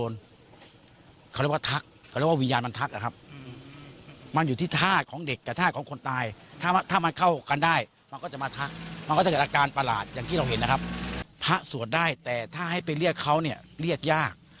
เลยต้องมาปลดปล่อยดวงวิญญาณ